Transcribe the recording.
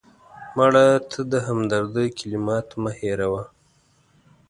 مړه ته د همدردۍ کلمات مه هېروه